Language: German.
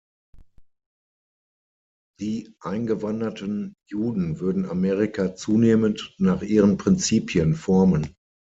Die eingewanderten Juden würden Amerika „zunehmend nach ihren Prinzipien formen“.